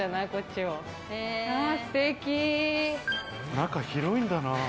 中、広いんだな。